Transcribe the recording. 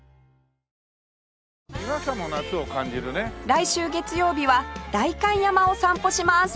来週月曜日は代官山を散歩します